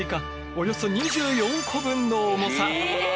およそ２４個分の重さ。